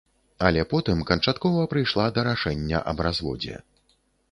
Але потым канчаткова прыйшла да рашэння аб разводзе.